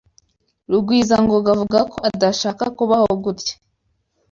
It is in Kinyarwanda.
Rugwizangoga avuga ko adashaka kubaho gutya.